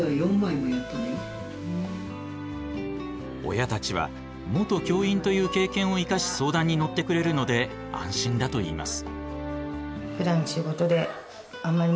親たちは元教員という経験を生かし相談に乗ってくれるので安心だといいます。